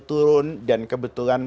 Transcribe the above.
turun dan kebetulan